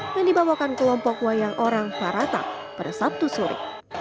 yang dibawakan kelompok wayang orang barata pada sabtu sore